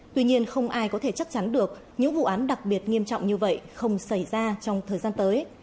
tuy nhiên không ai có thể chắc chắn được những vụ án đặc biệt nghiêm trọng như vậy không xảy ra trong thời gian tới